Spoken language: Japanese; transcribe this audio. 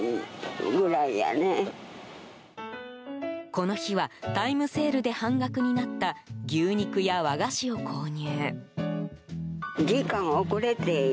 この日は、タイムセールで半額になった牛肉や和菓子を購入。